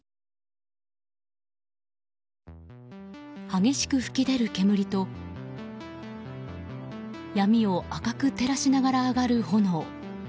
激しく噴き出る煙と闇を赤く照らしながら上がる炎。